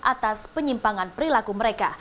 atas penyimpangan perilaku mereka